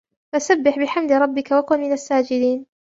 فَسَبِّحْ بِحَمْدِ رَبِّكَ وَكُنْ مِنَ السَّاجِدِينَ